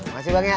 makasih bang ya